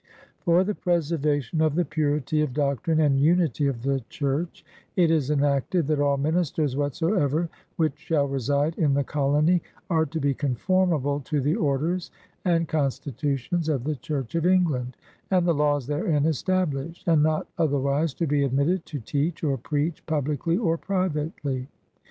For the preservation of the puritie of doctrine and unitie of the church, It is enacted that all ministers whatsoever which shall reside in the collony are to be conformable to the orders and constitutions of the church of Eng land, and the laws therein established, and not other wise to be admitted to teach or preach publickly or privately.